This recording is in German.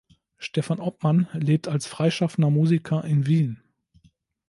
Stefan Obmann lebt als freischaffender Musiker in Wien.